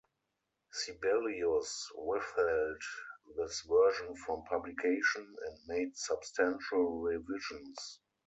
Sibelius withheld this version from publication and made substantial revisions.